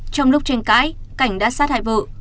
trong lúc tranh cãi cảnh đã sát hai vợ